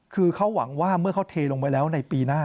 คือเขาหวังว่าเมื่อเขาเทลงไว้แล้วในปีหน้า